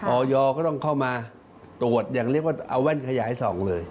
ออยก็ต้องเข้ามาตรวจอย่างเรียกว่าเอาแว่นขยายส่องเลย